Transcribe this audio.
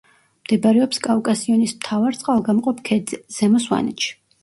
მდებარეობს კავკასიონის მთავარ წყალგამყოფ ქედზე, ზემო სვანეთში.